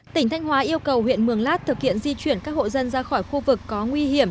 tỉnh thanh hóa yêu cầu huyện mường lát thực hiện di chuyển các hộ dân ra khỏi khu vực có nguy hiểm